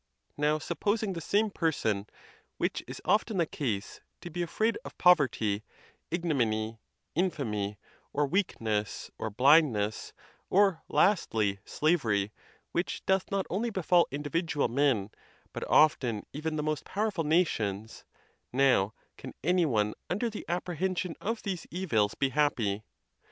Now, supposing the same person — which is often the case —to be afraid of pover ty, ignominy, infamy, or weakness, or blindness, or, lastly, slavery, which doth not only befall individual men, but often even the most powerful nations; now can any one under the apprehension of these evils be happy?